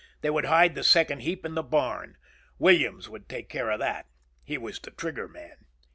They would hide the second heap in the barn. Williams would take care of that. He was the trigger man.